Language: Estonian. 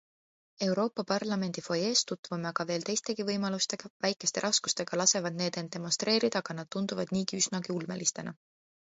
Euroopa parlamendi fuajees tutvume aga veel teistegi võimalustega, väikeste raskustega lasevad need end demonstreerida, aga nad tunduvad niigi üsnagi ulmelistena.